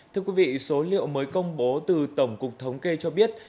thưa quý vị số liệu mới công bố từ tổng cục thống kê cho biết